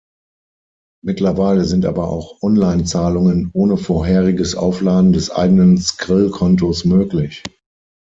Mittlerweile sind aber auch Online-Zahlungen ohne vorheriges Aufladen des eigenen Skrill-Kontos möglich.